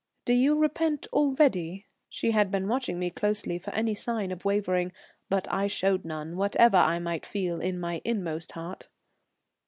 Do you repent already?" She had been watching me closely for any sign of wavering, but I showed none, whatever I might feel in my inmost heart.